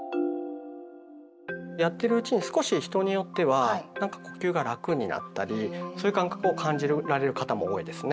やってるうちに少し人によってはなんか呼吸が楽になったりそういう感覚を感じられる方も多いですね。